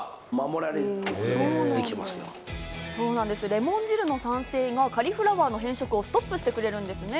レモン汁の酸性がカリフラワーの変色をストップしてくれるんですね。